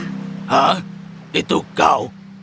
hah itu kau